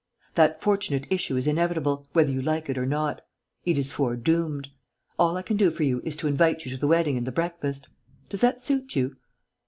That fortunate issue is inevitable, whether you like it or not. It is foredoomed. All I can do for you is to invite you to the wedding and the breakfast. Does that suit you?